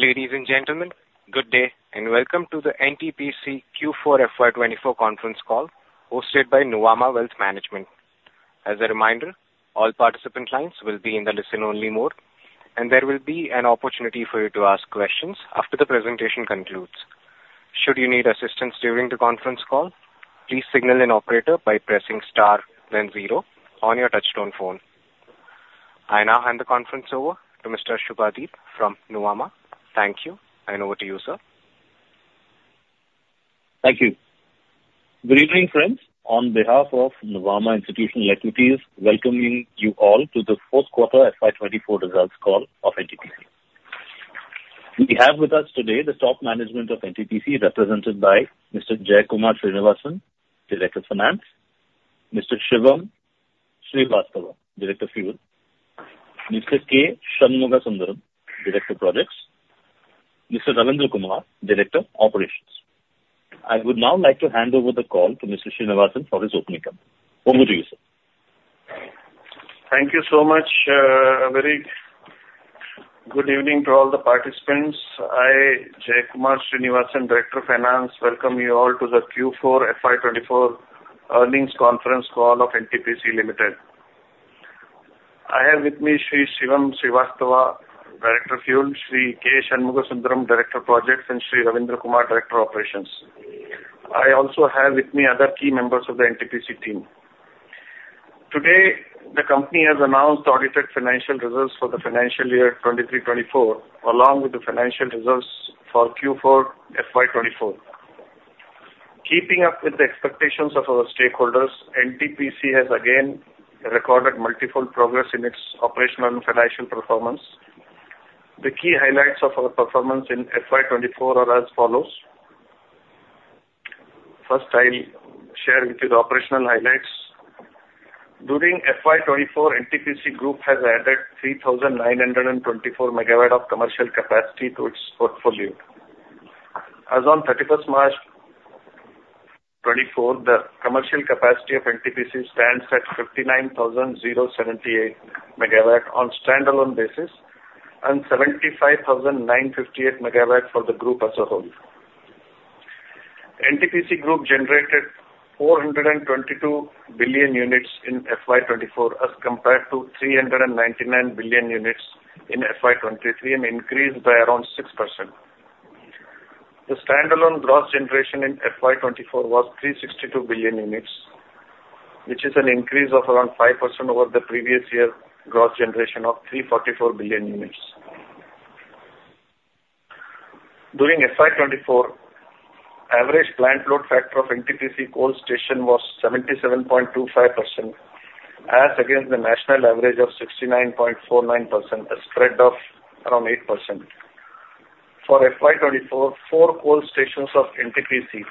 Ladies and gentlemen, good day and welcome to the NTPC Q4 FY 2024 conference call hosted by Nuvama Wealth Management. As a reminder, all participant lines will be in the listen-only mode, and there will be an opportunity for you to ask questions after the presentation concludes. Should you need assistance during the conference call, please signal an operator by pressing star, then zero, on your touchtone phone. I now hand the conference over to Mr. Subhadip from Nuvama. Thank you, and over to you, sir. Thank you. Good evening, friends. On behalf of Nuvama Institutional Equities, welcoming you all to the fourth quarter FY2024 results call of NTPC. We have with us today the top management of NTPC, represented by Mr. Jaikumar Srinivasan, Director of Finance, Mr. Shivam Srivastava, Director of Fuel, Mr. K. Shanmugha Sundaram, Director of Projects, and Mr. Ravindra Kumar, Director of Operations. I would now like to hand over the call to Mr. Srinivasan for his opening talk. Over to you, sir. Thank you so much. A very good evening to all the participants. I, Jaikumar Srinivasan, Director of Finance, welcome you all to the Q4 FY2024 earnings conference call of NTPC Limited. I have with me Shivam Srivastava, Director of Fuel; Mr. K. Shanmugha Sundaram, Director of Projects; and Mr. Ravindra Kumar, Director of Operations. I also have with me other key members of the NTPC team. Today, the company has announced audited financial results for the financial year 2023-2024, along with the financial results for Q4 FY 2024. Keeping up with the expectations of our stakeholders, NTPC has again recorded multiple progress in its operational and financial performance. The key highlights of our performance in FY 2024 are as follows. First, I'll share with you the operational highlights. During FY 2024, NTPC Group has added 3,924 MW of commercial capacity to its portfolio. As of 31st March 2024, the commercial capacity of NTPC stands at 59,078 MW on standalone basis and 75,958 MW for the group as a whole. NTPC Group generated 422 billion units in FY 2024, as compared to 399 billion units in FY 2023, an increase by around 6%. The standalone gross generation in FY 2024 was 362 billion units, which is an increase of around 5% over the previous year's gross generation of 344 billion units. During FY 2024, the average plant load factor of NTPC coal station was 77.25%, as against the national average of 69.49%, a spread of around 8%. For FY 2024, four coal stations of NTPC,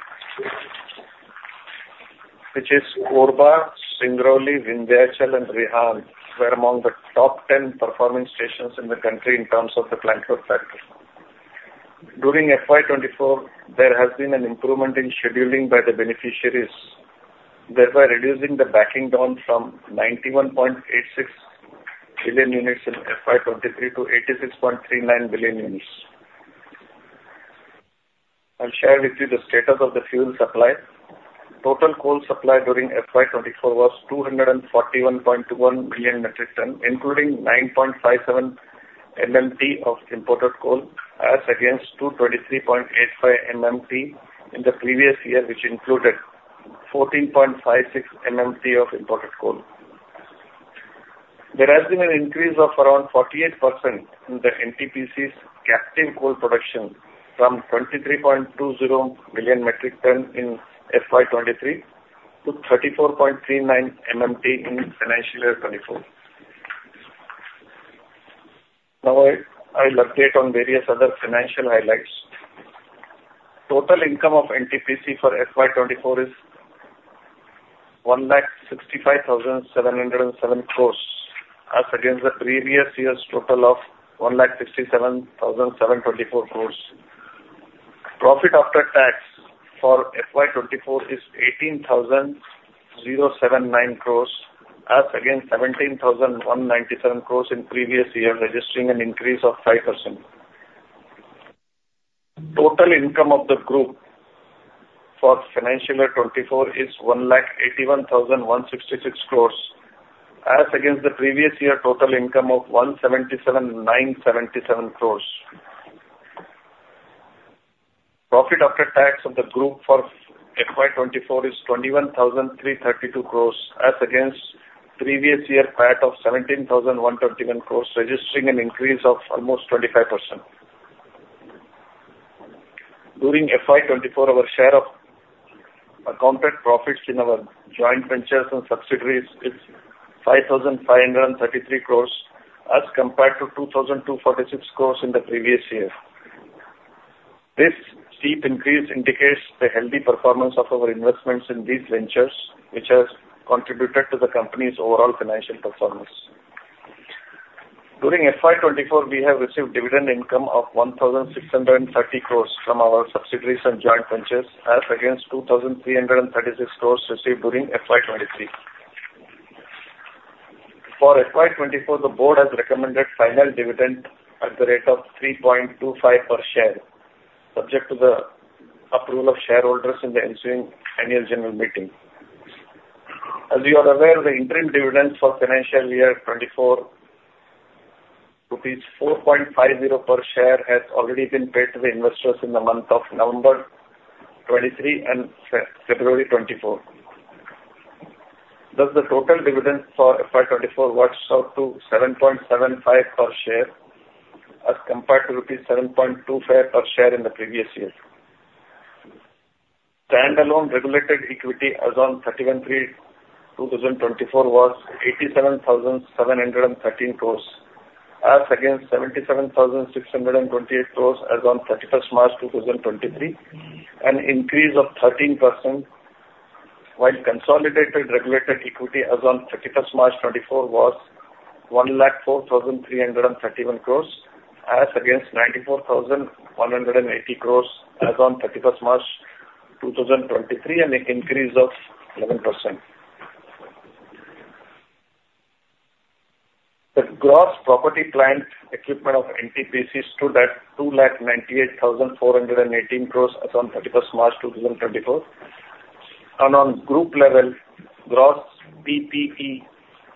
which are Korba, Singrauli, Vindhyachal, and Rihand, were among the top 10 performing stations in the country in terms of the plant load factor. During FY 2024, there has been an improvement in scheduling by the beneficiaries, thereby reducing the backing down from 91.86 billion units in FY 2023 to 86.39 billion units. I'll share with you the status of the fuel supply. Total coal supply during FY 2024 was 241.21 million metric tons, including 9.57 MMT of imported coal, as against 223.85 MMT in the previous year, which included 14.56 MMT of imported coal. There has been an increase of around 48% in the NTPC's captive coal production from 23.20 million metric tons in FY 2023 to 34.39 MMT in Financial Year 2024. Now, I'll update on various other financial highlights. Total income of NTPC for FY 2024 is 1,65,707 crores, as against the previous year's total of 1,67,724 crores. Profit after tax for FY 2024 is 18,079 crores, as against 17,197 crores in previous year, registering an increase of 5%. Total income of the group for Financial Year 2024 is 1,81,166 crores, as against the previous year's total income of 177,977 crores. Profit after tax of the group for FY 2024 is 21,332 crores, as against the previous year's profit of 17,121 crores, registering an increase of almost 25%. During FY 2024, our share of accounted profits in our joint ventures and subsidiaries is 5,533 crores, as compared to 2,246 crores in the previous year. This steep increase indicates the healthy performance of our investments in these ventures, which has contributed to the company's overall financial performance. During FY 2024, we have received dividend income of 1,630 crores from our subsidiaries and joint ventures, as against 2,336 crores received during FY 2023. For FY 2024, the board has recommended final dividend at the rate of 3.25 per share, subject to the approval of shareholders in the ensuing annual general meeting. As you are aware, the interim dividends for Financial Year 2024, INR 4.50 per share, have already been paid to the investors in the month of November 2023 and February 2024. Thus, the total dividend for FY 2024 works out to 7.75 per share, as compared to rupees 7.25 per share in the previous year. Standalone regulated equity as of 31st March 2024 was 87,713 crores, as against 77,628 crores as of 31st March 2023, an increase of 13%, while consolidated regulated equity as of 31st March 2024 was 104,331 crores, as against 94,180 crores as of 31st March 2023, an increase of 11%. The gross property plant equipment of NTPC stood at 298,418 crores as of 31st March 2024. On group level, gross PPE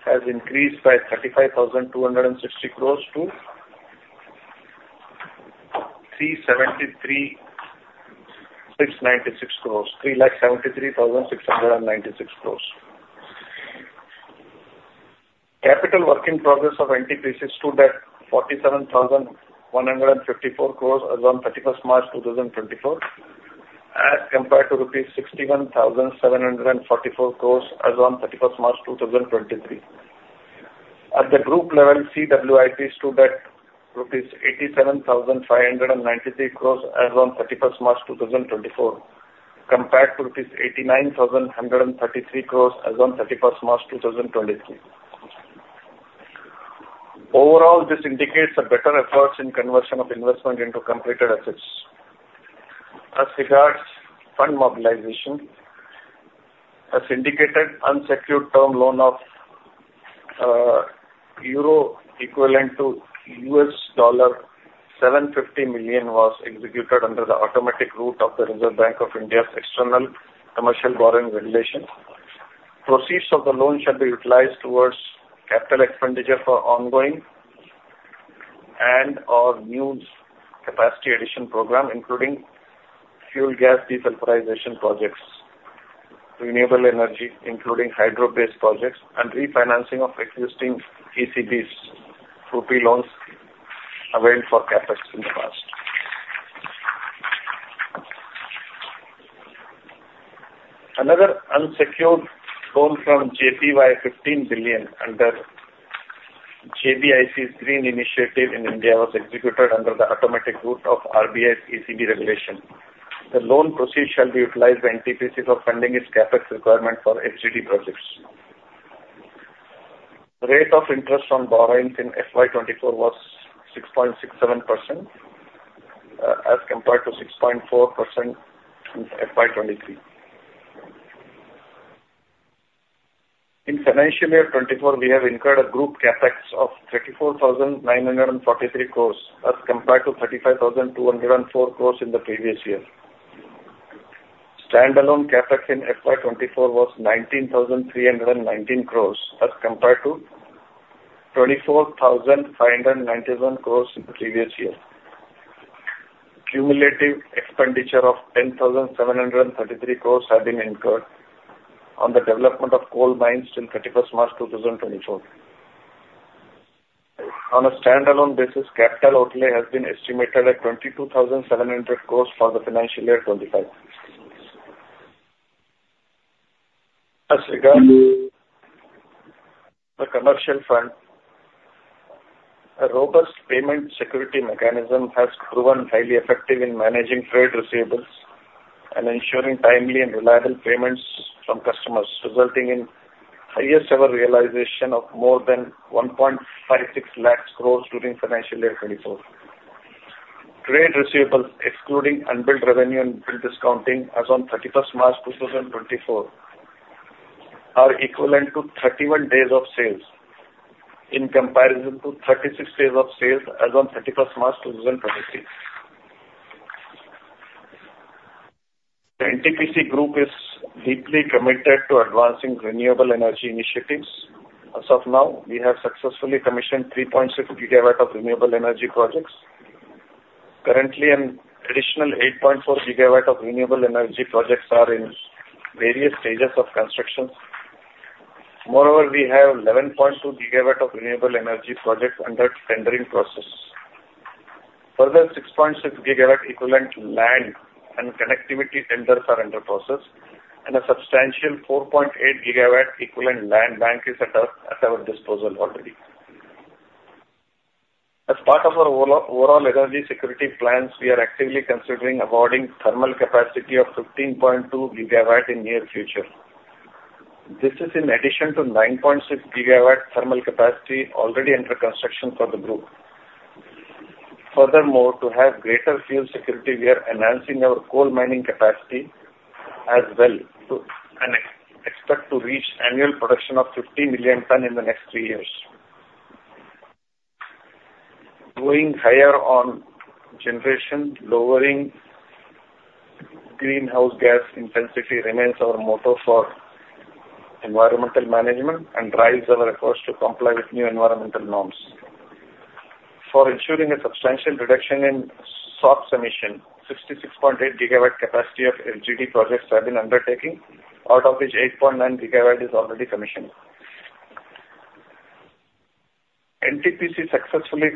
has increased by 35,260 crores to 373,696 crores, 373,696 crores. Capital Work in Progress of NTPC stood at 47,154 crores as of 31st March 2024, as compared to rupees 61,744 crores as of 31st March 2023. At the group level, CWIP stood at 87,593 crores rupees as of 31st March 2024, compared to rupees 89,133 crores as of 31st March 2023. Overall, this indicates a better effort in conversion of investment into completed assets. As regards fund mobilization, as indicated, unsecured term loan of EUR equivalent to $750 million was executed under the automatic route of the Reserve Bank of India's external commercial borrowing regulation. Proceeds of the loan shall be utilized towards capital expenditure for ongoing and/or new capacity addition program, including flue gas desulfurization projects, renewable energy, including hydro-based projects, and refinancing of existing ECBs through P loans availed for CapEx in the past. Another unsecured loan from JPY 15 billion under JBIC's Green Initiative in India was executed under the automatic route of RBI's ECB regulation. The loan proceeds shall be utilized by NTPC for funding its CapEx requirement for FGD projects. Rate of interest on borrowings in FY 2024 was 6.67%, as compared to 6.4% in FY 2023. In Financial Year 2024, we have incurred a group CapEx of 34,943 crores, as compared to 35,204 crores in the previous year. Standalone CapEx in FY 2024 was 19,319 crores, as compared to 24,591 crores in the previous year. Cumulative expenditure of 10,733 crores had been incurred on the development of coal mines till 31st March 2024. On a standalone basis, capital outlay has been estimated at 22,700 crores for the Financial Year 2025. As regards the commercial front, a robust payment security mechanism has proven highly effective in managing trade receivables and ensuring timely and reliable payments from customers, resulting in highest-ever realization of more than 1.56 crores during Financial Year 2024. Trade receivables, excluding unbilled revenue and discounting, as of 31st March 2024, are equivalent to 31 days of sales in comparison to 36 days of sales as of 31st March 2023. The NTPC Group is deeply committed to advancing renewable energy initiatives. As of now, we have successfully commissioned 3.6 GW of renewable energy projects. Currently, an additional 8.4 GW of renewable energy projects are in various stages of construction. Moreover, we have 11.2 GW of renewable energy projects under tendering process. Further, 6.6 GW equivalent land and connectivity tenders are under process, and a substantial 4.8 GW equivalent land bank is at our disposal already. As part of our overall energy security plans, we are actively considering adding thermal capacity of 15.2 GW in the near future. This is in addition to 9.6 GW thermal capacity already under construction for the group. Furthermore, to have greater fuel security, we are enhancing our coal mining capacity as well and expect to reach annual production of 50 million tonnes in the next three years. Going higher on generation, lowering greenhouse gas intensity remains our motto for environmental management and drives our efforts to comply with new environmental norms. For ensuring a substantial reduction in SOx emissions, 66.8 GW capacity of FGD projects have been undertaken, out of which 8.9 GW is already commissioned. NTPC successfully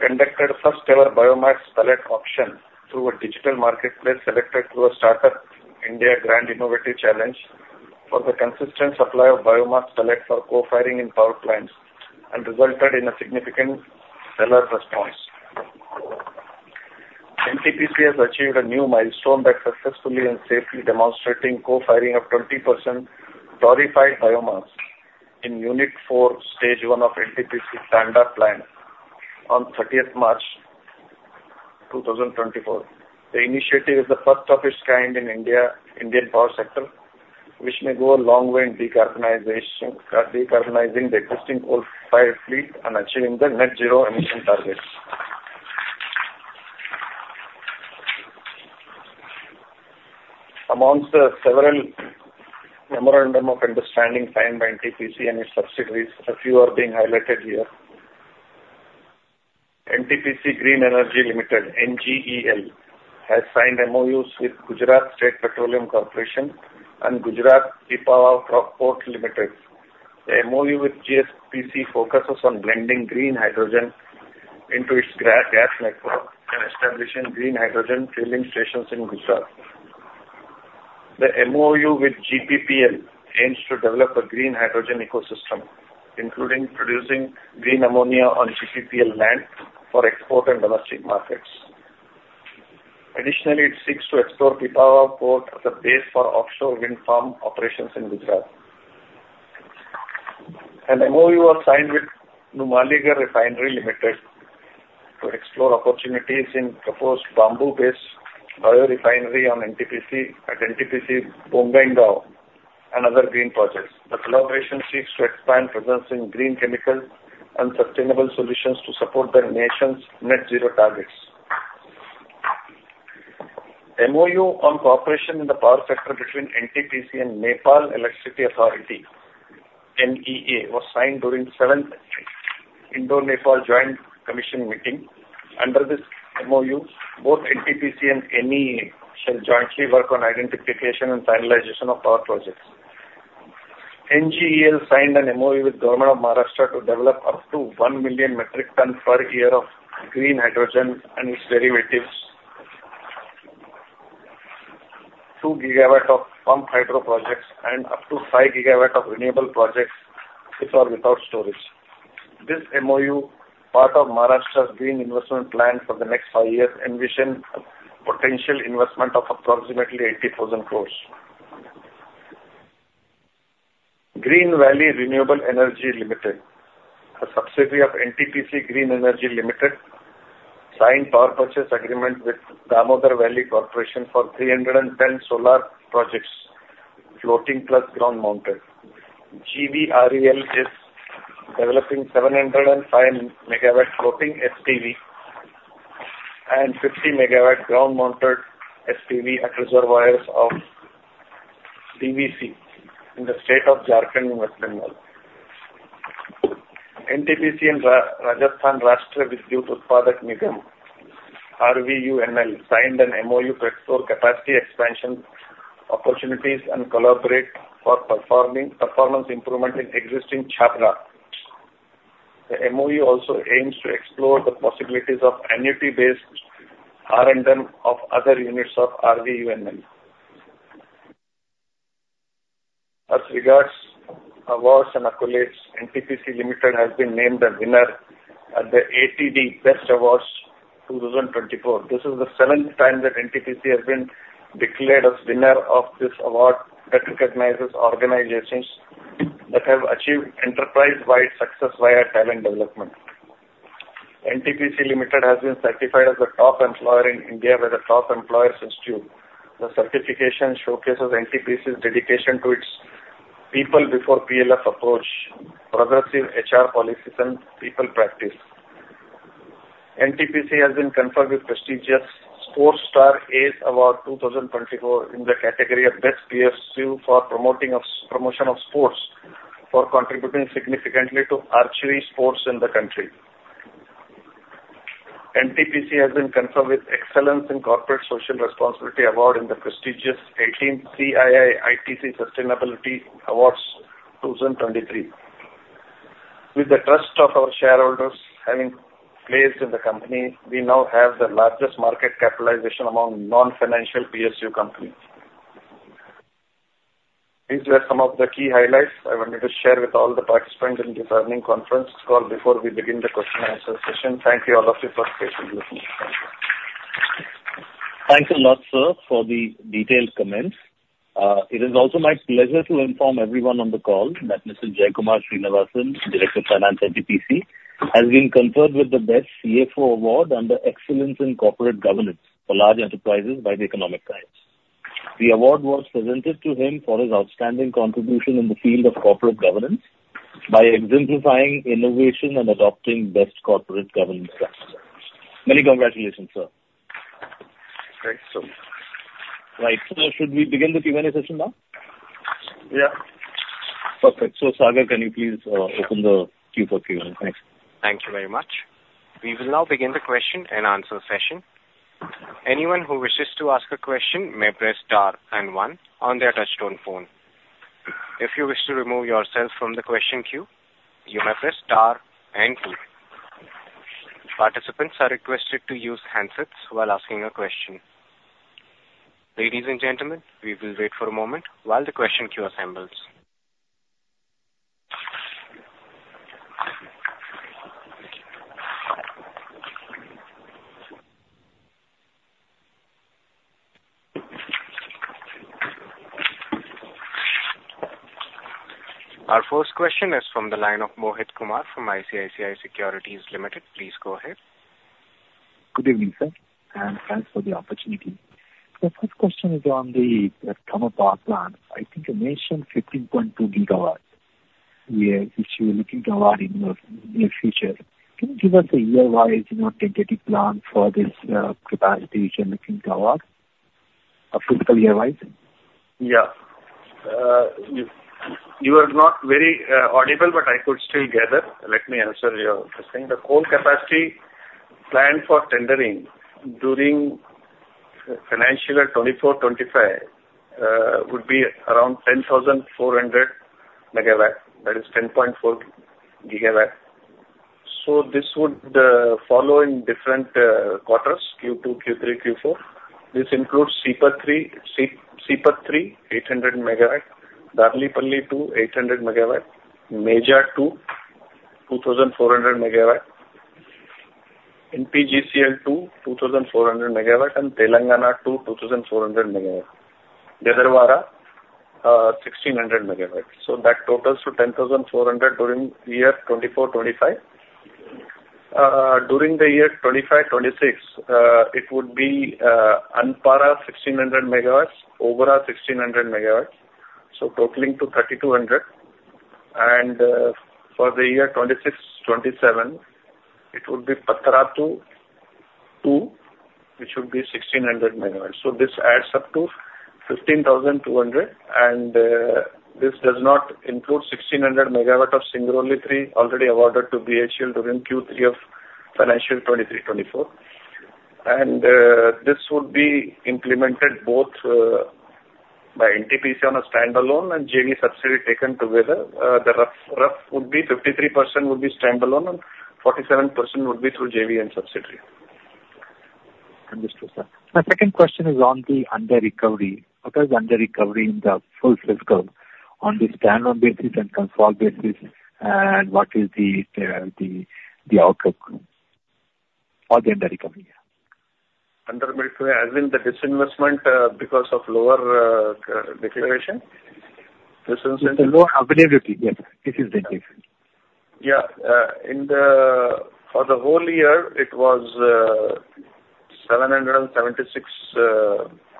conducted a first-ever biomass pellet auction through a digital marketplace selected through a Startup India Grand Innovative Challenge for the consistent supply of biomass pellets for coal firing in power plants and resulted in a significant seller response. NTPC has achieved a new milestone by successfully and safely demonstrating coal firing of 20% torrefied biomass in Unit 4, Stage 1 of NTPC Simhadri plant on 30th March 2024. The initiative is the first of its kind in India's power sector, which may go a long way in decarbonizing the existing coal-fired fleet and achieving the net-zero emission targets. Amongst the several memorandums of understanding signed by NTPC and its subsidiaries, a few are being highlighted here. NTPC Green Energy Limited, NGEL, has signed MOUs with Gujarat State Petroleum Corporation and Gujarat Pipavav Port Limited. The MOU with GSPC focuses on blending green hydrogen into its gas network and establishing green hydrogen filling stations in Gujarat. The MOU with GPPL aims to develop a green hydrogen ecosystem, including producing green ammonia on GPPL land for export and domestic markets. Additionally, it seeks to explore Pipavav Port as a base for offshore wind farm operations in Gujarat. An MOU was signed with Numaligarh Refinery Limited to explore opportunities in a bamboo-based biorefinery on NTPC at NTPC Bongaigaon and other green projects. The collaboration seeks to expand presence in green chemicals and sustainable solutions to support the nation's net-zero targets. MOU on cooperation in the power sector between NTPC and Nepal Electricity Authority, NEA, was signed during the seventh Indo-Nepal Joint Commission meeting. Under this MOU, both NTPC and NEA shall jointly work on identification and finalization of power projects. NGEL signed an MOU with the Government of Maharashtra to develop up to one million metric tons per year of green hydrogen and its derivatives, two GW of pumped hydro projects, and up to five GW of renewable projects, with or without storage. This MOU, part of Maharashtra's Green Investment Plan for the next five years, envisions potential investment of approximately 80,000 crores. Green Valley Renewable Energy Limited, a subsidiary of NTPC Green Energy Limited, signed power purchase agreement with Damodar Valley Corporation for 310 MW solar projects, floating plus ground-mounted. GVREL is developing 705 MW floating SPV and 50 MW ground-mounted SPV at reservoirs of DVC in the state of Jharkhand and West Bengal. NTPC and Rajasthan Rajya Vidyut Utpadak Nigam Limited (RVUNL) signed an MOU to explore capacity expansion opportunities and collaborate for performance improvement in existing Chhabra. The MOU also aims to explore the possibilities of annuity-based R&M of other units of RVUNL. As regards awards and accolades, NTPC Limited has been named a winner at the ATD Best Awards 2024. This is the seventh time that NTPC has been declared as winner of this award that recognizes organizations that have achieved enterprise-wide success via talent development. NTPC Limited has been certified as a top employer in India by the Top Employers Institute. The certification showcases NTPC's dedication to its people before PLF approach, progressive HR policies, and people practice. NTPC has been confirmed with prestigious Sports Star Ace Award 2024 in the category of Best PSU for promotion of sports, contributing significantly to archery sports in the country. NTPC has been confirmed with Excellence in Corporate Social Responsibility Award in the prestigious 18th CII ITC Sustainability Awards 2023. With the trust of our shareholders having placed in the company, we now have the largest market capitalization among non-financial PSU companies. These were some of the key highlights I wanted to share with all the participants in this earnings conference call before we begin the question-and-answer session. Thank you all for your patient listening. Thank you. Thanks a lot, sir, for the detailed comments. It is also my pleasure to inform everyone on the call that Mr. Jaikumar Srinivasan, Director of Finance at NTPC, has been confirmed with the Best CFO Award under Excellence in Corporate Governance for Large Enterprises by the Economic Times. The award was presented to him for his outstanding contribution in the field of corporate governance by exemplifying innovation and adopting Best Corporate Governance practices. Many congratulations, sir. Thanks, sir. Right, sir, should we begin the Q&A session now? Yeah. Perfect. So, Sagar, can you please open the queue for Q&A? Thanks. Thank you very much. We will now begin the question and answer session. Anyone who wishes to ask a question may press star and one on their touch-tone phone. If you wish to remove yourself from the question queue, you may press star and two. Participants are requested to use handsets while asking a question. Ladies and gentlemen, we will wait for a moment while the question queue assembles. Our first question is from the line of Mohit Kumar from ICICI Securities Limited. Please go ahead. Good evening, sir, and thanks for the opportunity. The first question is on the thermal power plant. I think you mentioned 15.2 GW, which you are looking to award in the near future. Can you give us a year-wise tentative plan for this capacity which you are looking to award, a fiscal year-wise? Yeah. You are not very audible, but I could still get it. Let me answer your question. The whole capacity planned for tendering during Financial Year 2024-2025 would be around 10,400 MW. That is 10.4 GW. So this would fall in different quarters, Q2, Q3, Q4. This includes Sipat 3, 800 MW, Darlipali 2, 800 MW, Meja 2, 2,400 MW, NPGCL 2, 2,400 MW, and Telangana 2, 2,400 MW, Gadarwara 1,600 MW. So that totals to 10,400 during year 24-25. During the year 2025-2026, it would be Anpara 1,600 MW, Obra 1,600 MW. So totaling to 3,200. And for the year 2026-2027, it would be Patratu 2, which would be 1,600 MW. So this adds up to 15,200. And this does not include 1,600 MW of Singrauli 3 already awarded to BHEL during Q3 of financial 2023-2024. This would be implemented both by NTPC on a standalone and JV subsidiary taken together. The roughly 53% would be standalone and 47% would be through JV and subsidiary. Understood, sir. My second question is on the under-recovery. What is under-recovery in the full fiscal on the standalone basis and consolidated basis? And what is the outcome for the under-recovery? Under-recovery has been the disallowance because of lower declaration. Disallowance. The lower availability, yes. This is the difference. Yeah. For the whole year, it was 776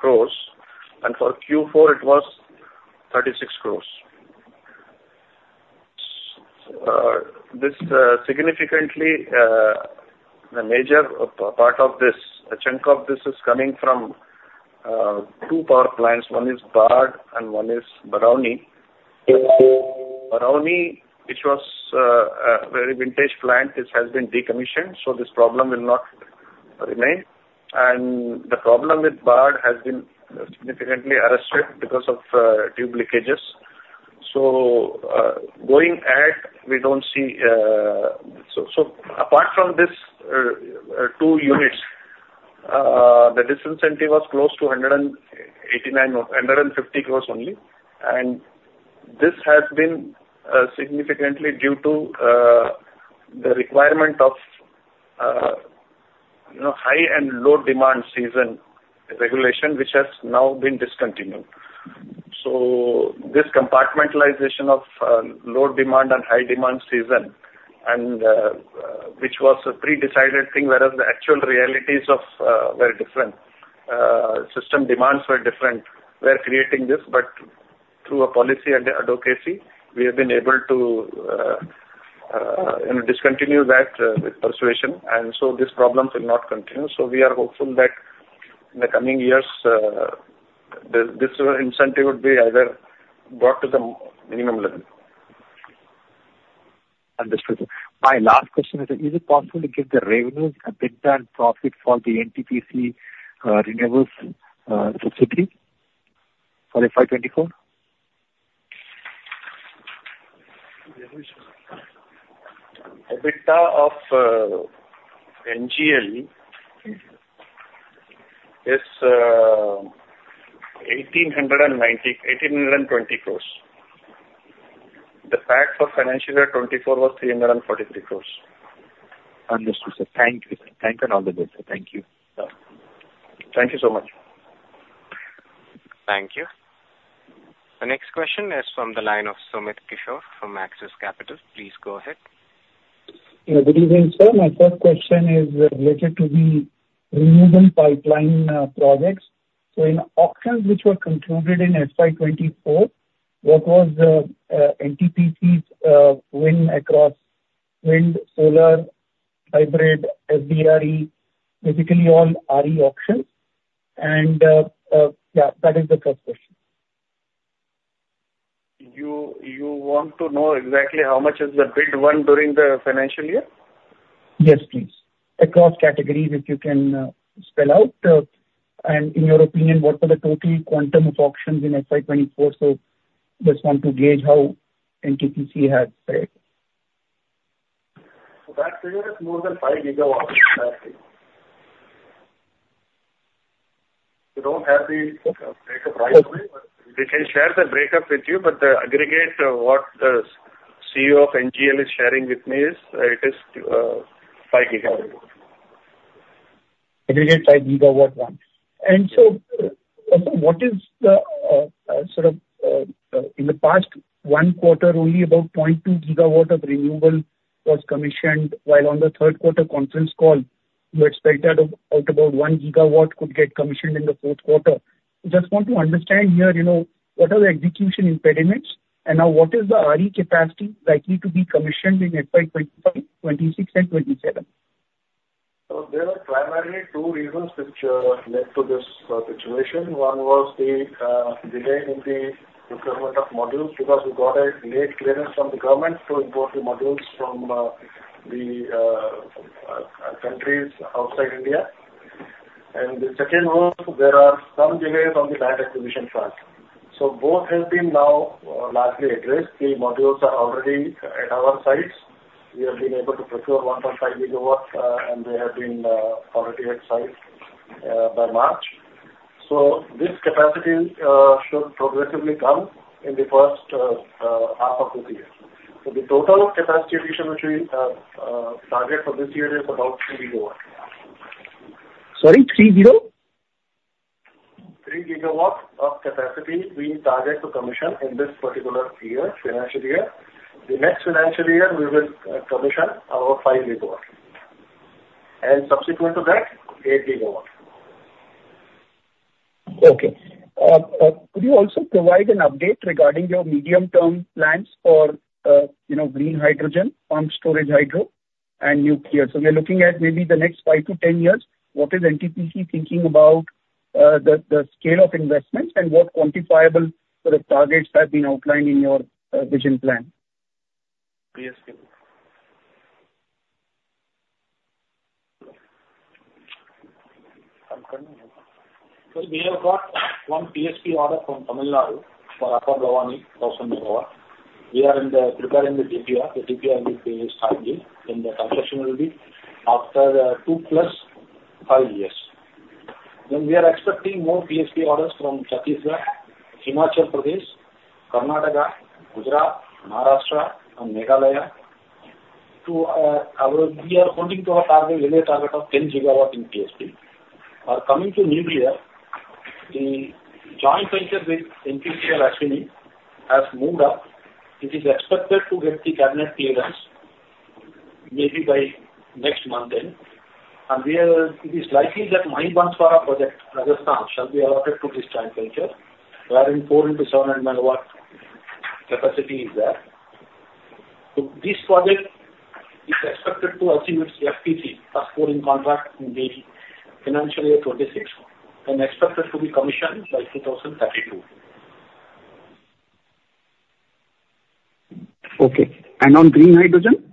crores. And for Q4, it was 36 crores. Significantly, the major part of this, a chunk of this is coming from two power plants. One is Barh and one is Barauni. Barauni, which was a very vintage plant, has been decommissioned. So this problem will not remain. And the problem with Barh has been significantly addressed because of tube leakages. So going ahead, we don't see. So apart from these two units, the disincentive was close to 150 crores only. And this has been significantly due to the requirement of high and low demand season regulation, which has now been discontinued. So this compartmentalization of low demand and high demand season, which was a pre-decided thing, whereas the actual realities were different. System demands were different. We are creating this, but through a policy and the advocacy, we have been able to discontinue that with persuasion. And so this problem will not continue. So we are hopeful that in the coming years, this disincentive would be either brought to the minimum level. Understood. My last question is, is it possible to give the revenues, EBITDA and profit for the NTPC Renewables Subsidiary for FY 2024? The EBITDA of NGEL is 1,820 crores. The PAT for Financial Year 2024 was 343 crores. Understood, sir. Thank you, sir. Thank you and all the best. Thank you. Thank you so much. Thank you. The next question is from the line of Sumit Kishore from Axis Capital. Please go ahead. Good evening, sir. My first question is related to the renewable pipeline projects. So in auctions which were concluded in FY 2024, what was NTPC's win across wind, solar, hybrid, FDRE, basically all RE auctions? And yeah, that is the first question. You want to know exactly how much is the bid won during the financial year? Yes, please. Across categories, if you can spell out. And in your opinion, what were the total quantum of auctions in FY 2024? So just want to gauge how NTPC has played. So that figure is more than 5 GW exactly. You don't have the breakup right away. We can share the breakup with you, but the aggregate what the CEO of NGEL is sharing with me is it is 5 GW. Aggregate 5 gigawatt one. And so what is the sort of in the past one quarter, only about 0.2 gigawatt of renewable was commissioned, while on the third quarter conference call, you had spelled out about 1 gigawatt could get commissioned in the fourth quarter. Just want to understand here, what are the execution impediments? And now, what is the earning capacity likely to be commissioned in FY 2026 and 2027? So there are primarily two reasons which led to this situation. One was the delay in the procurement of modules because we got a late clearance from the government to import the modules from the countries outside India. And the second was there are some delays on the land acquisition front. Both have been now largely addressed. The modules are already at our sites. We have been able to procure 1.5 GW, and they have been already at sites by March. This capacity should progressively come in the first half of this year. The total capacity which we target for this year is about 3 GW. Sorry, 3-0? 3 GW of capacity we target to commission in this particular year, financial year. The next financial year, we will commission about 5 GW. And subsequent to that, 8 GW. Okay. Could you also provide an update regarding your medium-term plans for green hydrogen, pumped storage hydro, and nuclear? We are looking at maybe the next 5 years to 10 years. What is NTPC thinking about the scale of investments and what quantifiable targets have been outlined in your vision plan? PSP. So we have got one PSP order from Tamil Nadu for Upper Bhavani 1,000 MW. We are preparing the DPR. The DPR will be released timely in the concessioning route after 2 plus 5 years. Then we are expecting more PSP orders from Chhattisgarh, Himachal Pradesh, Karnataka, Gujarat, Maharashtra, and Meghalaya. We are holding to our target, our target of 10 GW in PSP. We are coming to nuclear. The joint venture with NTPC and ASHVINI has moved up. It is expected to get the cabinet clearance maybe by next month. And it is likely that Mahi Banswara project, Rajasthan, shall be allotted to this joint venture, wherein 4 into 700 MW capacity is there. So this project is expected to achieve its FPC, first pour of concrete, in the financial year 2026 and expected to be commissioned by 2032. Okay. And on green hydrogen?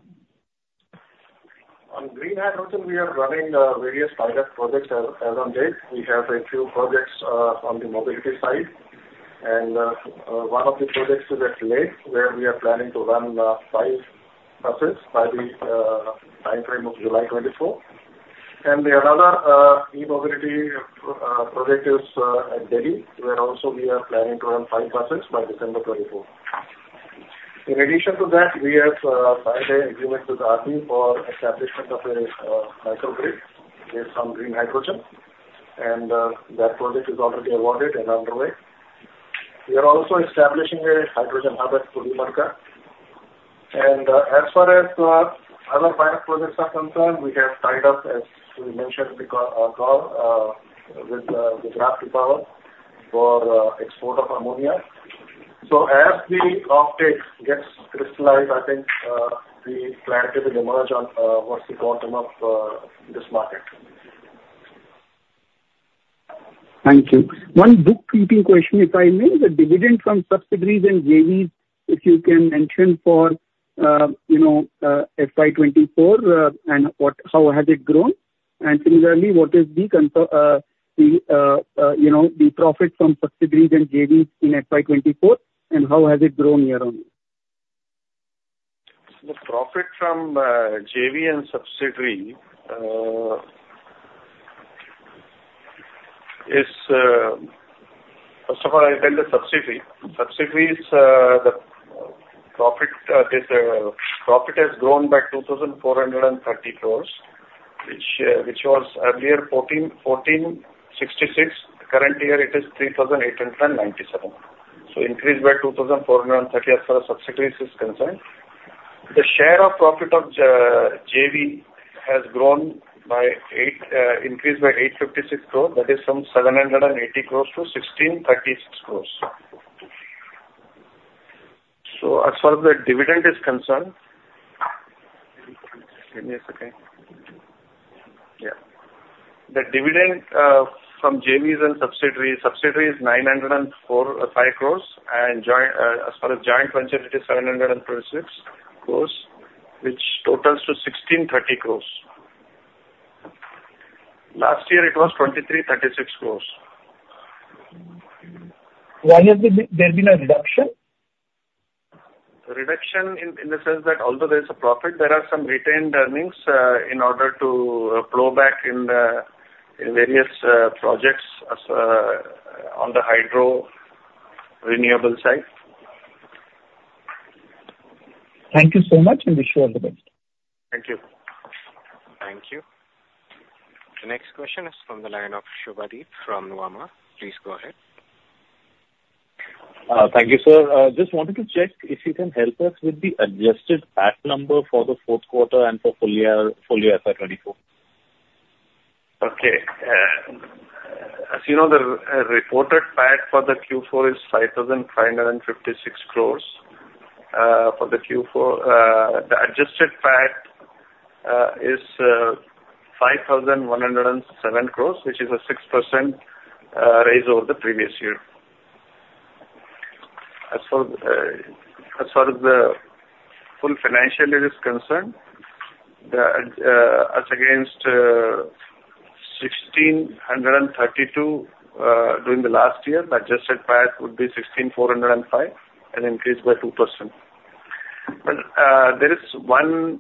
On green hydrogen, we are running various pilot projects as of date. We have a few projects on the mobility side. And one of the projects is at Leh, where we are planning to run five buses by the timeframe of July 2024. And another e-mobility project is at Delhi, where also we are planning to run five buses by December 2024. In addition to that, we have signed an agreement with ARPI for establishment of a microgrid based on green hydrogen. And that project is already awarded and underway. We are also establishing a hydrogen hub at Pudimadaka. And as far as other pilot projects are concerned, we have tied up, as we mentioned before, with Pipavav for export of ammonia. So as the offtake gets crystallized, I think the plan will emerge on what's the quantum of this market. Thank you. One bookkeeping question. If I may, the dividend from subsidiaries and JVs, if you can mention for FY 24 and how has it grown. And similarly, what is the profit from subsidiaries and JVs in FY 2024 and how has it grown year-on-year? The profit from JV and subsidiary is, first of all, I'll tell the subsidiary. Subsidiaries' profit has grown by 2,430 crores, which was earlier 1,466 crores. Current year, it is 3,897 crores. So increased by 2,430 crores as far as subsidiaries is concerned. The share of profit of JV has grown by 856 crores. That is from 780 crores to 1,636 crores. So as far as the dividend is concerned, give me a second. Yeah. The dividend from JVs and subsidiary, subsidiary is 905 crores. And as far as joint venture, it is 726 crores, which totals to 1,630 crores. Last year, it was 2,336 crores. There has been a reduction? Reduction in the sense that although there is a profit, there are some retained earnings in order to plough back in various projects on the hydro renewable side. Thank you so much, and wish you all the best. Thank you. Thank you. The next question is from the line of Subhadip from Nuvama. Please go ahead. Thank you, sir. Just wanted to check if you can help us with the adjusted PAC number for the fourth quarter and for full year FY 2024. Okay. As you know, the reported PAC for the Q4 is 5,556 crores. For the Q4, the adjusted PAC is 5,107 crores, which is a 6% raise over the previous year. As far as the full financial year is concerned, as against 16,032 crores during the last year, the adjusted PAC would be 16,405 crores and increased by 2%. But there is one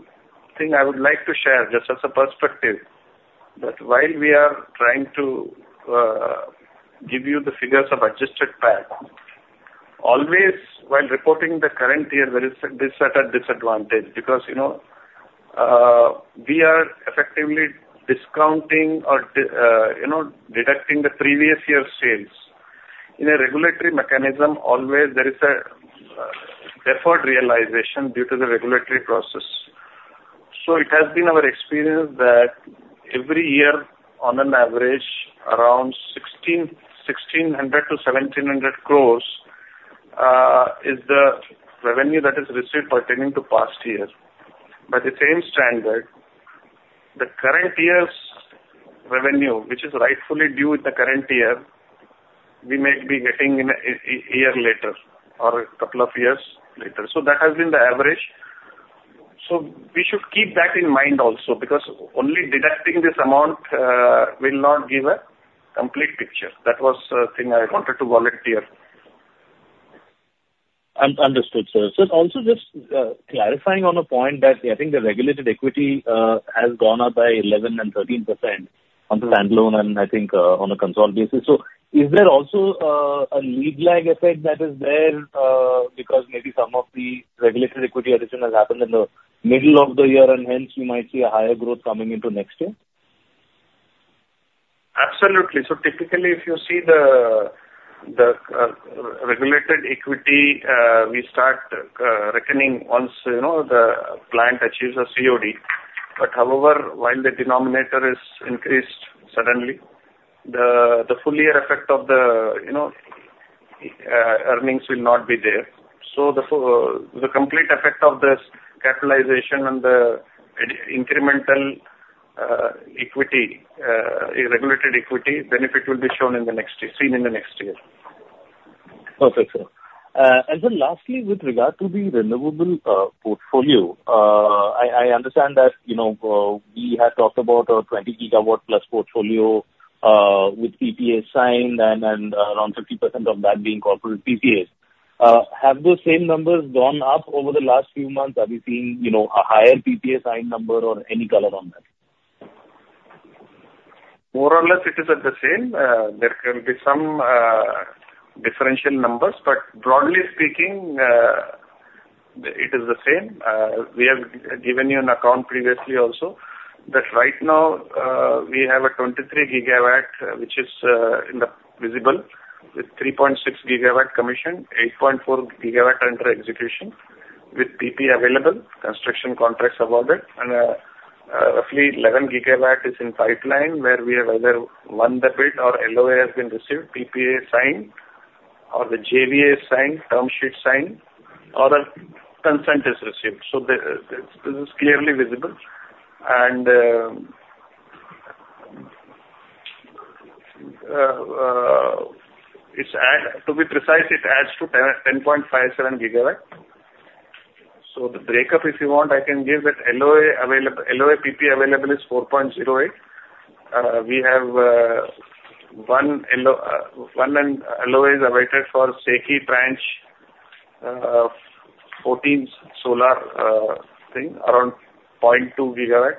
thing I would like to share just as a perspective. That while we are trying to give you the figures of adjusted PAC, always while reporting the current year, there is this certain disadvantage because we are effectively discounting or deducting the previous year's sales. In a regulatory mechanism, always there is a deferred realization due to the regulatory process. So it has been our experience that every year, on an average, around 1,600 crores to 1,700 crores is the revenue that is received pertaining to past year. By the same standard, the current year's revenue, which is rightfully due in the current year, we may be getting a year later or a couple of years later. So that has been the average. So we should keep that in mind also because only deducting this amount will not give a complete picture. That was the thing I wanted to volunteer. Understood, sir. So also just clarifying on a point that I think the regulated equity has gone up by 11% and 13% on the standalone and I think on a consolidated basis. So is there also a lead lag effect that is there because maybe some of the regulated equity addition has happened in the middle of the year and hence we might see a higher growth coming into next year? Absolutely. So typically, if you see the regulated equity, we start reckoning once the plant achieves a COD. But however, while the denominator is increased suddenly, the full year effect of the earnings will not be there. So the complete effect of the capitalization and the incremental equity, regulated equity, benefit will be shown in the next year, seen in the next year. Perfect, sir. And then lastly, with regard to the renewable portfolio, I understand that we have talked about a 20+ GW portfolio with PPA signed and around 50% of that being corporate PPAs. Have those same numbers gone up over the last few months? Have you seen a higher PPA signed number or any color on that? More or less, it is at the same. There can be some differential numbers, but broadly speaking, it is the same. We have given you an account previously also that right now we have a 23 gigawatt, which is visible with 3.6 GW commissioned, 8.4 GW under execution with PPA available, construction contracts awarded, and roughly 11 gigawatt is in pipeline where we have either won the bid or LOA has been received, PPA signed or the JVA signed, term sheet signed, or a consent is received. So this is clearly visible. And to be precise, it adds to 10.57 GW. So the breakup, if you want, I can give that. LOA PPA available is 4.08 GW. We have one LOA is awaited for SECI Baran 14 solar thing, around 0.2 GW.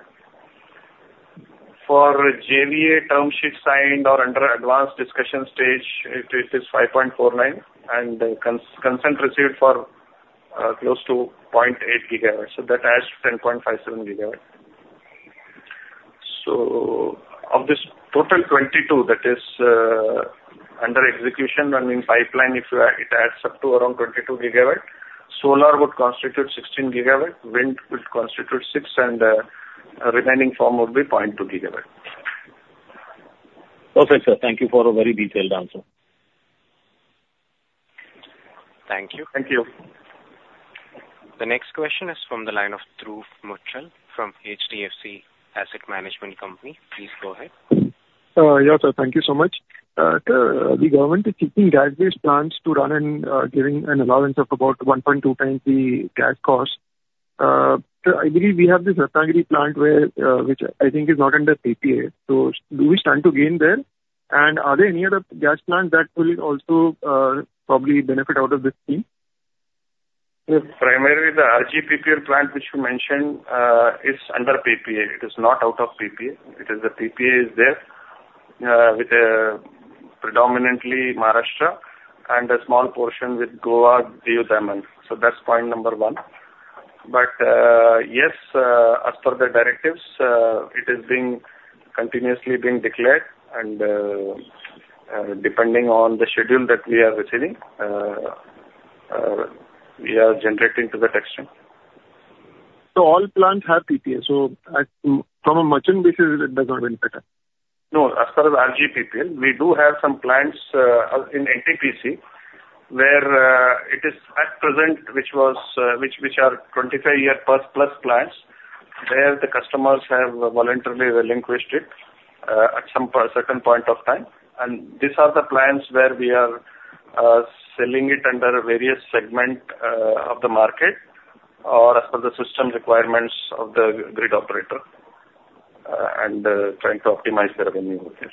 For JVA, term sheet signed or under advanced discussion stage, it is 5.49 GW and consent received for close to 0.8 gigawatt. So that adds 10.57 GW. So of this total 22 GW that is under execution and in pipeline, it adds up to around 22 gigawatt. Solar would constitute 16 GW. Wind would constitute 6 GW, and remaining from would be 0.2 GW. Perfect, sir. Thank you for a very detailed answer. Thank you. Thank you. The next question is from the line of Dhruv Muchhal from HDFC Asset Management Company. Please go ahead. Yeah, sir. Thank you so much. The government is seeking gas-based plants to run and giving an allowance of about 1.2 times the gas cost. I believe we have this Ratnagiri plant which I think is not under PPA. So do we stand to gain there? And are there any other gas plants that will also probably benefit out of this scheme? Primarily, the RGPPL plant which you mentioned is under PPA. It is not out of PPA. The PPA is there with predominantly Maharashtra and a small portion with Goa, Daman and Diu. So that's point number one. But yes, as per the directives, it is being continuously declared. And depending on the schedule that we are receiving, we are generating to the tax return. So all plants have PPA. So from a merchant basis, it does not benefit? No As far as RGPPL, we do have some plants in NTPC where it is at present, which are 25+ year plants, where the customers have voluntarily relinquished it at some certain point of time. And these are the plants where we are selling it under various segments of the market or as per the system requirements of the grid operator and trying to optimize their revenue over here.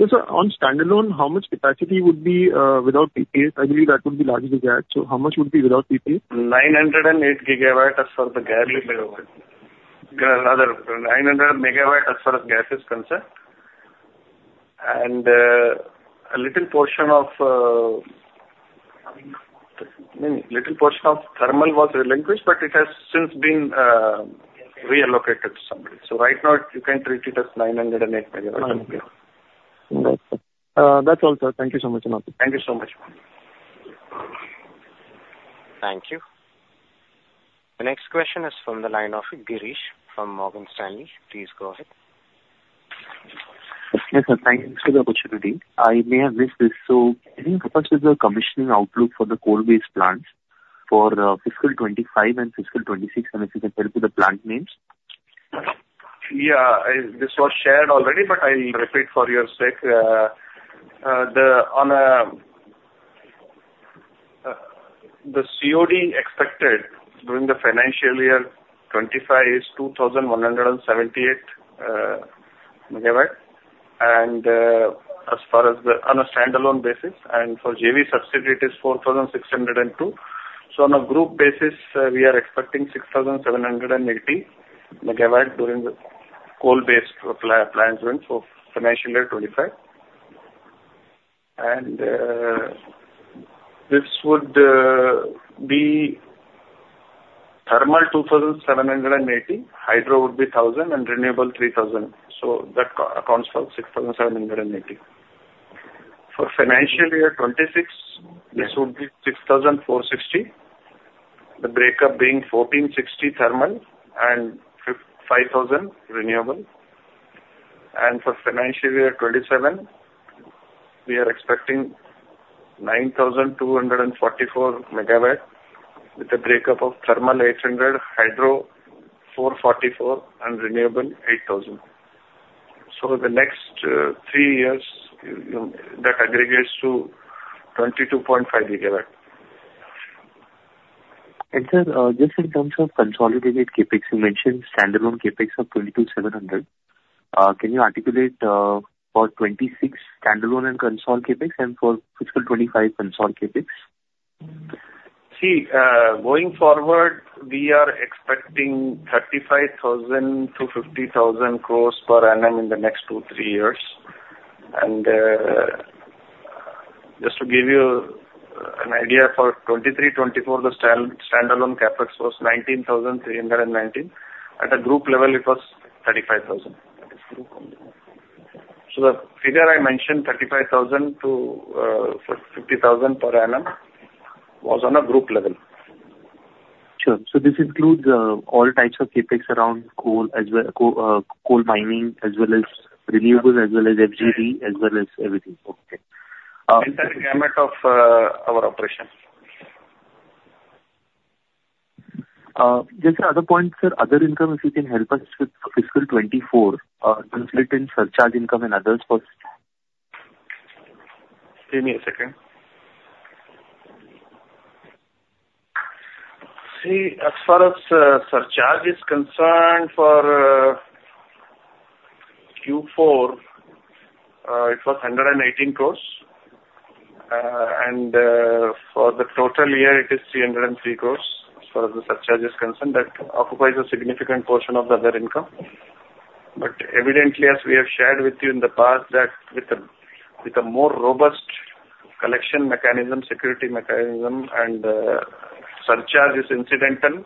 So sir, on standalone, how much capacity would be without PPA? I believe that would be large with gas. So how much would be without PPA? 908 MW as far as the gas is concerned. Another 900 MW as far as gas is concerned. And a little portion of thermal was relinquished, but it has since been reallocated to somebody. So right now, you can treat it as 908 MW. That's all, sir. Thank you so much. Thank you so much. Thank you. The next question is from the line of Girish from Morgan Stanley. Please go ahead. Yes, sir. Thank you for the opportunity. I may have missed this. So can you give us the commissioning outlook for the coal-based plants for Fiscal 2025 and Fiscal 2026, and if you can tell me the plant names? Yeah. This was shared already, but I'll repeat for your sake. The COD expected during the Financial Year 2025 is 2,178 MW. And as far as on a standalone basis, and for JV subsidiary, it is 4,602 MW. So on a group basis, we are expecting 6,780 MW during the coal-based plants for Financial Year 2025. And this would be thermal 2,780 MW, hydro would be 1,000 MW, and renewable 3,000 MW. So that accounts for 6,780. For Financial Year 2026, this would be 6,460, the breakup being 1,460 MW thermal and 5,000 MW renewable. For Financial Year 2027, we are expecting 9,244 MW with the breakup of thermal 800 MW, hydro 444 MW, and renewable 8,000 MW. The next three years, that aggregates to 22.5 GW. Sir, just in terms of consolidated CapEx, you mentioned standalone CapEx of 22,700. Can you articulate for 2026 standalone and consolidated CapEx and for Fiscal 2025 consolidated CapEx? See, going forward, we are expecting 35,000 crores to 50,000 crores per annum in the next two, three years. Just to give you an idea, for 2023, 2024, the standalone CapEx was 19,319 crores. At a group level, it was 35,000 crores. The figure I mentioned, 35,000 crores to 50,000 crores per annum, was on a group level. Sure. This includes all types of CapEx around coal mining as well as renewables as well as FGD as well as everything. Okay. That is the amount of our operation. Just another point, sir. Other income, if you can help us with fiscal 24, breakdown of surcharge income and others. Give me a second. See, as far as surcharge is concerned for Q4, it was 118 crores. And for the total year, it is 303 crores as far as the surcharge is concerned. That occupies a significant portion of the other income. But evidently, as we have shared with you in the past, that with a more robust collection mechanism, security mechanism, and surcharge is incidental,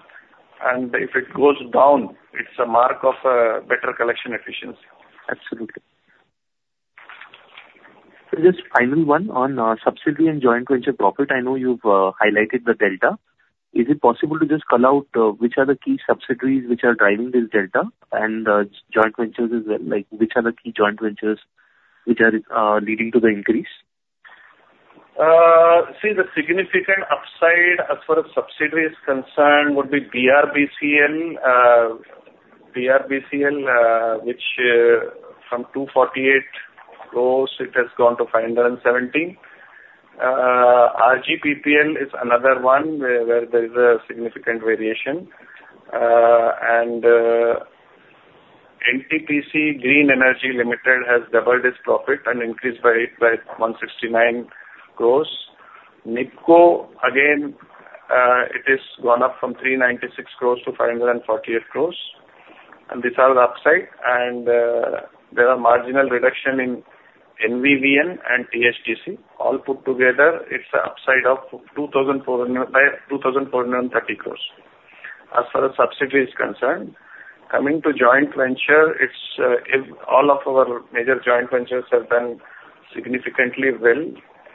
and if it goes down, it's a mark of better collection efficiency. Absolutely. So just final one on subsidy and joint venture profit. I know you've highlighted the delta. Is it possible to just call out which are the key subsidies which are driving this delta and joint ventures as well? Which are the key joint ventures which are leading to the increase? See, the significant upside as far as subsidies concerned would be BRBCL, which from 248 crores, it has gone to 517 crores. RGPPL is another one where there is a significant variation. And NTPC Green Energy Limited has doubled its profit and increased by 169 crores. NEEPCO, again, it has gone up from 396 crores to 548 crores. And these are the upside. And there are marginal reductions in NVVN and THDC. All put together, it's an upside of 2,430 crores. As far as subsidies concerned, coming to joint venture, all of our major joint ventures have done significantly well.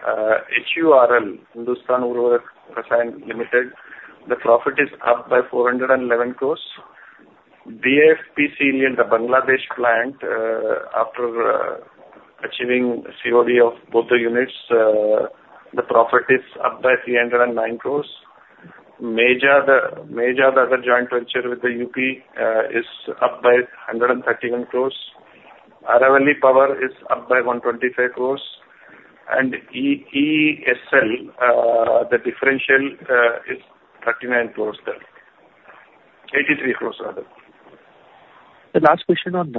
HURL, Hindustan Urvarak & Rasayan Limited, the profit is up by 411 crores. BIFPCL, the Bangladesh plant, after achieving COD of both the units, the profit is up by 309 crores. Meja, the other joint venture with the UP, is up by 131 crores. Aravali Power is up by 125 crores. EESL, the differential is 83 crores rather. The last question on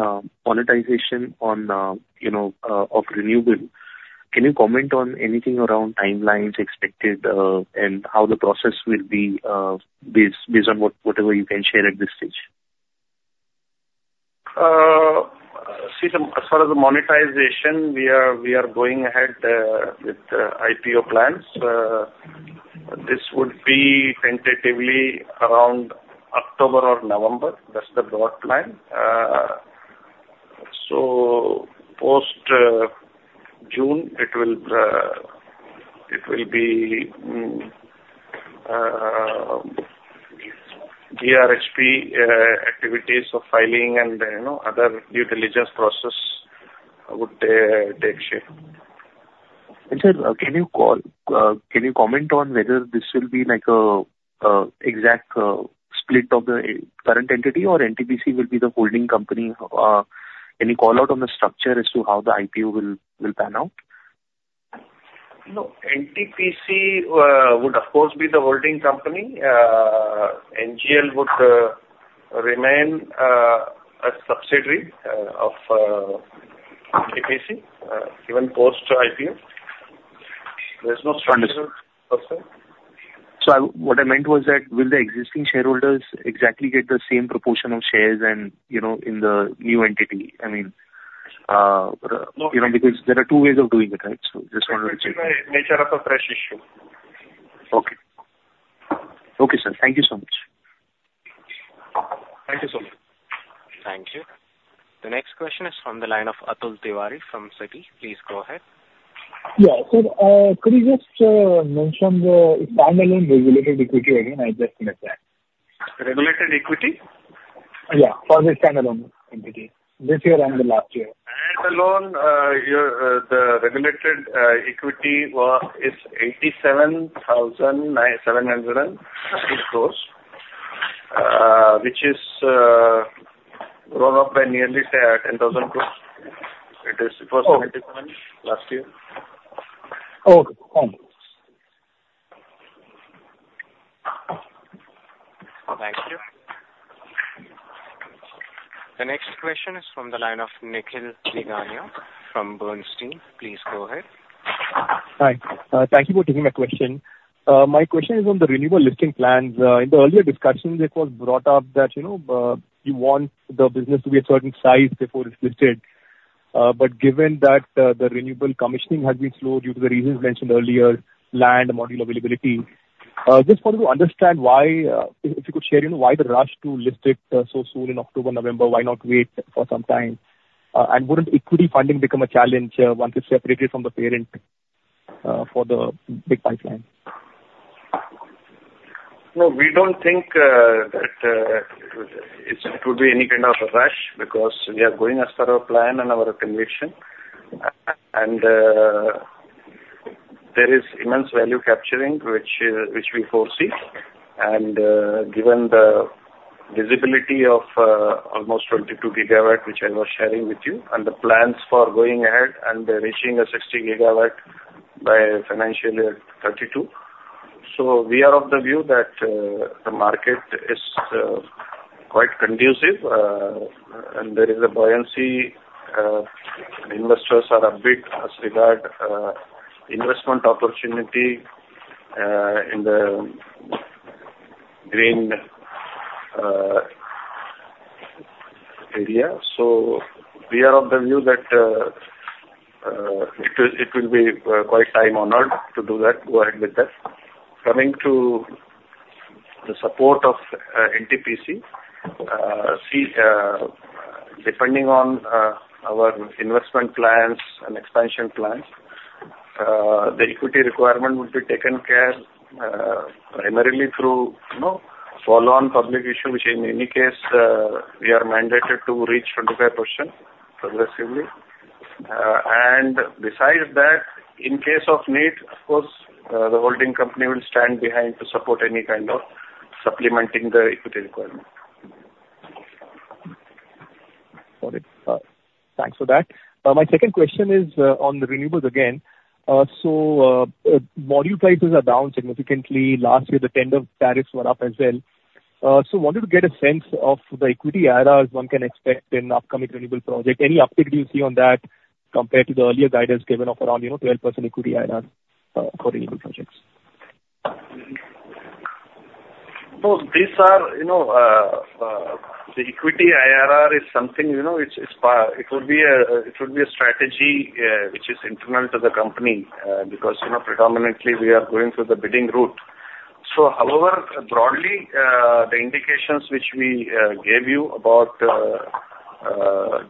monetization of renewable, can you comment on anything around timelines expected and how the process will be based on whatever you can share at this stage? See, as far as the monetization, we are going ahead with IPO plans. This would be tentatively around October or November. That's the broad plan. So post-June, it will be DRHP activities of filing and other due diligence process would take shape. And sir, can you comment on whether this will be an exact split of the current entity or NTPC will be the holding company? Any callout on the structure as to how the IPO will pan out? No. NTPC would, of course, be the holding company. NGEL would remain a subsidiary of NTPC even post-IPO. There's no structure. What I meant was that will the existing shareholders exactly get the same proportion of shares in the new entity? I mean, because there are two ways of doing it, right? So I just wanted to check. This is the nature of a fresh issue. Okay. Okay, sir. Thank you so much. Thank you. The next question is from the line of Atul Tiwari from Citi. Please go ahead. Yeah. Sir, could you just mention the standalone regulated equity again? I just missed that. Regulated equity? Yeah. For the standalone entity. This year and the last year. Standalone, the regulated equity is 87,701 crores, which is grown up by nearly 10,000 crores. It was 77,000 crores last year. Oh, okay. Thanks. Thank you. The next question is from the line of Nikhil Nigania from Bernstein. Please go ahead. Hi. Thank you for taking my question. My question is on the renewable listing plans. In the earlier discussion, it was brought up that you want the business to be a certain size before it's listed. But given that the renewable commissioning has been slow due to the reasons mentioned earlier, land, module availability, just wanted to understand why, if you could share why the rush to list it so soon in October, November, why not wait for some time? And wouldn't equity funding become a challenge once it's separated from the parent for the big pipeline? No, we don't think that it would be any kind of a rush because we are going as per our plan and our conviction. And there is immense value capturing, which we foresee. And given the visibility of almost 22 GW, which I was sharing with you, and the plans for going ahead and reaching 60 GW by Financial Year 2032. So we are of the view that the market is quite conducive. And there is a buoyancy. Investors are upbeat as regards investment opportunity in the green area. So we are of the view that it will be quite opportune to do that. Go ahead with that. Coming to the support of NTPC, depending on our investment plans and expansion plans, the equity requirement would be taken care of primarily through follow-on public issue, which in any case, we are mandated to reach 25% progressively. And besides that, in case of need, of course, the holding company will stand behind to support any kind of supplementing the equity requirement. Got it. Thanks for that. My second question is on the renewables again. So module prices are down significantly. Last year, the tender tariffs were up as well. So wanted to get a sense of the equity IRRs one can expect in upcoming renewable projects. Any update you see on that compared to the earlier guidance given of around 12% equity IRR for renewable projects? Well, these are the equity IRR is something which it would be a strategy which is internal to the company because predominantly, we are going through the bidding route. So however, broadly, the indications which we gave you about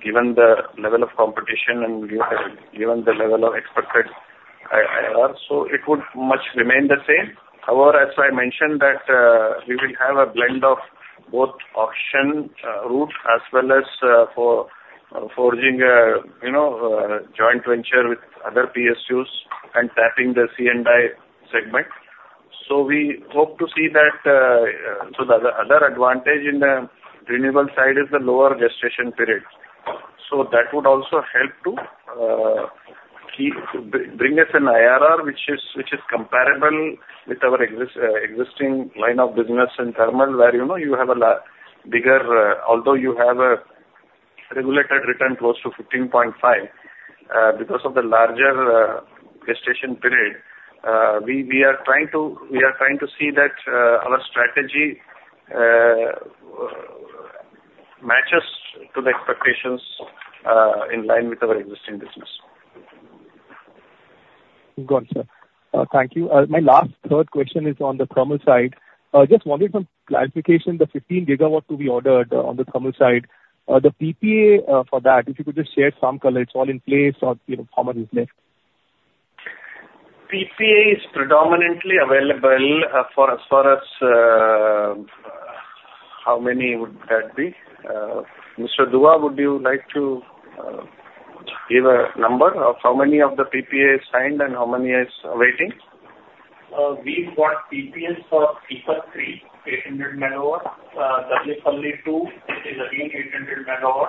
given the level of competition and given the level of expected IRR, so it would much remain the same. However, as I mentioned, that we will have a blend of both option route as well as forging a joint venture with other PSUs and tapping the C&I segment. We hope to see that. The other advantage in the renewable side is the lower gestation period. That would also help to bring us an IRR which is comparable with our existing line of business in thermal where you have a bigger although you have a regulated return close to 15.5 because of the larger gestation period. We are trying to see that our strategy matches to the expectations in line with our existing business. Got it, sir. Thank you. My last third question is on the thermal side. Just wanted some clarification. The 15 GW to be ordered on the thermal side, the PPA for that, if you could just share some color, it's all in place or how m uch is left? PPA is predominantly available as far as how many would that be? Mr. Duwa, would you like to give a number of how many of the PPA is signed and how many is waiting? We've got PPAs for Sipat 3, 800 MW. Darlipali-2, which is again 800 MW.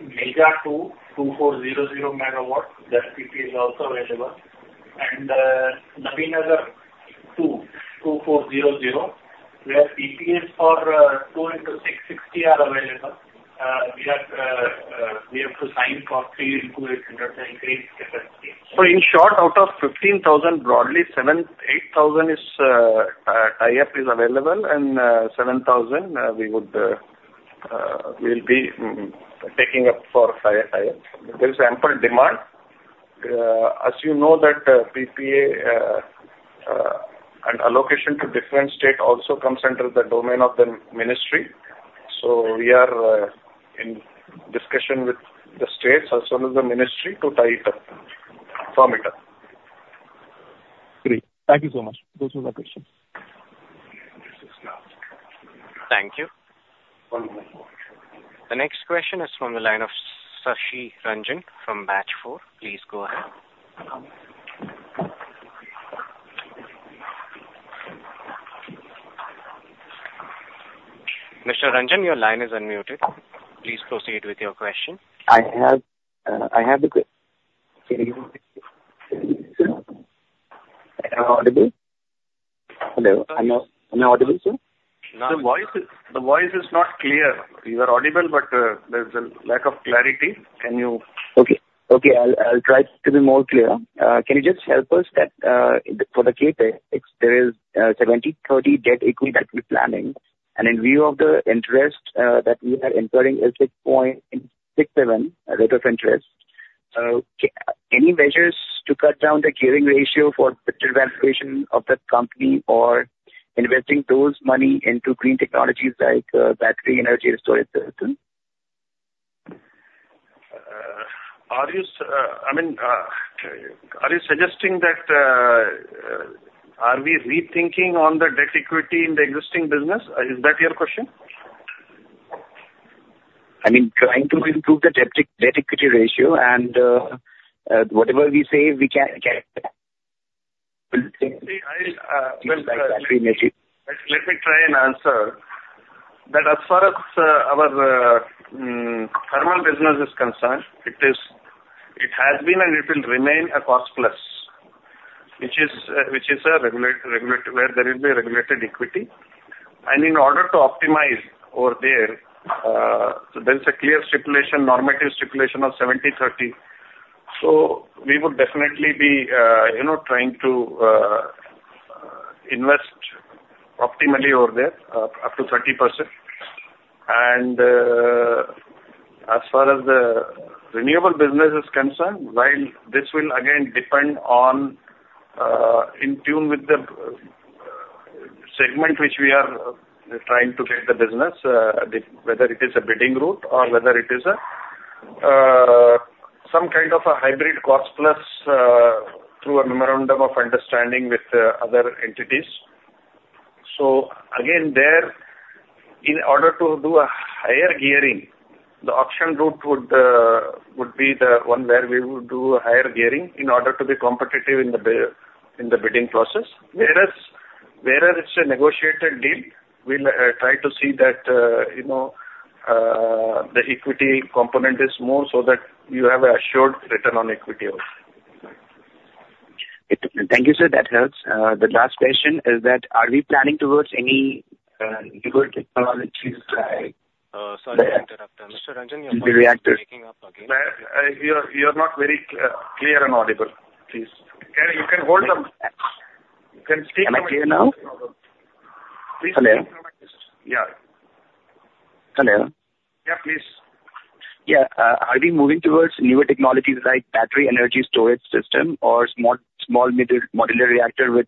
Meja-2, 2400 MW. That PPA is also available. And Nabinagar-2, 2400 MW, where PPAs for 2 into 660 MW are available. We have to sign for 3 into 800 increased capacity. So in short, out of 15,000 MW, broadly, 8,000 MW PPA is available, and 7,000 MW we will be taking up for PPAs. There is ample demand. As you know, that PPA and allocation to different state also comes under the domain of the ministry. So we are in discussion with the states as well as the ministry to tie up. Great. Thank you so much. Those were my questions. Thank you. The next question is from the line of Shashi Ranjan from B&K Securities. Please go ahead. Mr. Ranjan, your line is unmuted. Please proceed with your question. I have the question. Can you hear me? Am I audible? Hello. Am I audible still? The voice is not clear. You are audible, but there's a lack of clarity. Okay. I'll try to be more clear. Can you just help us that for the CapEx, there is 70-30 debt equity that we're planning. And in view of the interest that we are incurring at 6.67 rate of interest, any measures to cut down the gearing ratio for valuation of the company or investing those money into green technologies like battery energy storage system? I mean, are you suggesting that are we rethinking on the debt equity in the existing business? Is that your question? I mean, trying to improve the debt equity ratio and whatever we say, we can let me try and answer. That, as far as our thermal business is concerned, it has been and it will remain a cost plus, which is regulated where there will be regulated equity. And in order to optimize over there, there's a clear stipulation, normative stipulation of 70-30. So we would definitely be trying to invest optimally over there up to 30%. And as far as the renewable business is concerned, while this will again depend on in tune with the segment which we are trying to get the business, whether it is a bidding route or whether it is some kind of a hybrid cost plus through a memorandum of understanding with other entities. So again, there, in order to do a higher gearing, the option route would be the one where we would do a higher gearing in order to be competitive in the bidding process. Whereas it's a negotiated deal, we'll try to see that the equity component is more so that you have an assured return on equity also. Thank you, sir. That helps. The last question is that are we planning towards any newer technologies like? Sorry to interrupt there. Mr. Ranjan, you're muted again. You're not very clear and audible. Please. Can you hold on? You can speak to me? Are we moving towards newer technologies like battery energy storage system or small modular reactor with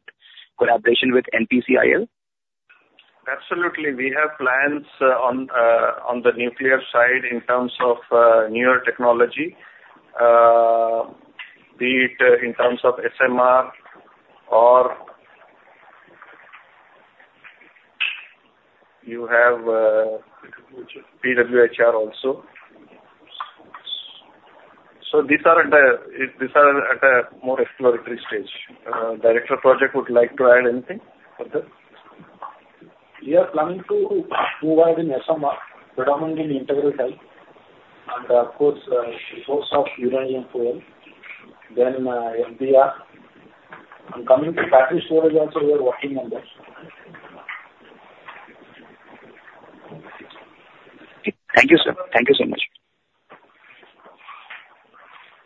collaboration with NPCIL? Absolutely. We have plans on the nuclear side in terms of newer technology, be it in terms of SMR or you have PHWR also. So these are at a more exploratory stage. Director of Projects would like to add anything further? We are planning to move ahead in SMR, predominantly integral type. And of course, source of uranium fuel, then FBR. And coming to battery storage also, we are working on that. Thank you, sir. Thank you so much.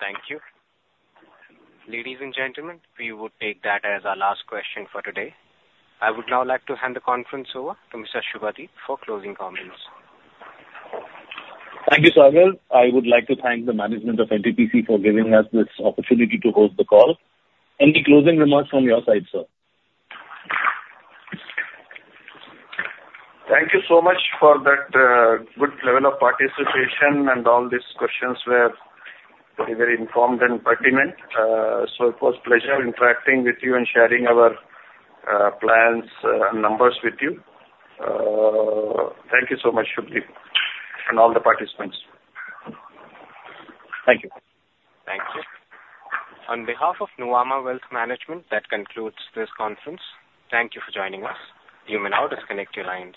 Thank you. Ladies and gentlemen, we would take that as our last question for today. I would now like to hand the conference over to Mr. Subhadip for closing comments. Thank you, Sagar. I would like to thank the management of NTPC for giving us this opportunity to host the call. Any closing remarks from your side, sir? Thank you so much for that good level of participation and all these questions were very, very informed and pertinent. So it was a pleasure interacting with you and sharing our plans and numbers with you. Thank you so much, Subhadip, and all the participants. Thank you. Thank you. On behalf of Nuvama Wealth Management, that concludes this conference. Thank you for joining us. You may now disconnect your lines.